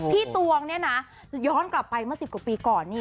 พี่ตวงเนี่ยนะย้อนกลับไปมา๑๐กว่าปีก่อน